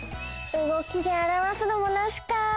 うごきであらわすのもナシか。